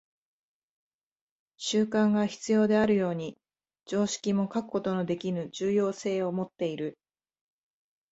習慣が必要であるように、常識も欠くことのできぬ重要性をもっている。